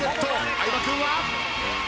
相葉君は？